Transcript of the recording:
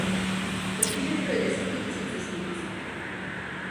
Postiženy byly desítky tisíc cestujících.